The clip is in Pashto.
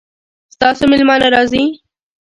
ستاسو میلمانه راځي؟